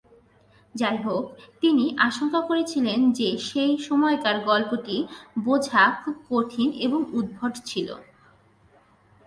যাইহোক, তিনি আশঙ্কা করেছিলেন যে সেই সময়কার গল্পটি "বোঝা খুব কঠিন এবং উদ্ভট" ছিল।